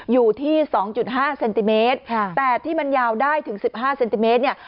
อยู่ที่สองจุดห้าเซนติเมตรแต่ที่มันยาวได้ถึงสิบห้าเซนติเมตรเนี้ย